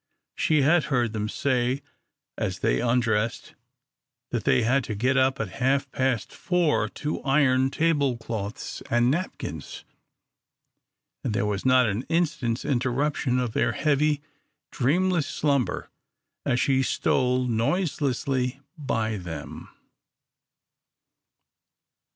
She had heard them say as they undressed that they had to get up at half past four to iron table cloths and napkins, and there was not an instant's interruption of their heavy, dreamless slumber as she stole noiselessly by them.